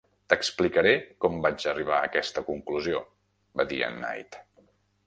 "T"explicaré com vaig arribar a aquesta conclusió", va dir en Knight.